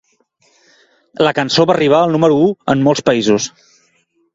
La cançó va arribar al número u en molts països.